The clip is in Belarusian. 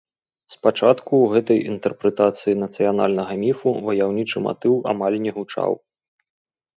Спачатку ў гэтай інтэрпрэтацыі нацыянальнага міфу ваяўнічы матыў амаль не гучаў.